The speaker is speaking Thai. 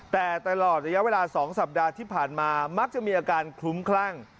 แต่ตลอดระยะเวลา๒สัปดาห์ที่ผ่านมามักจะมีอาการคลุ้มคลั่ง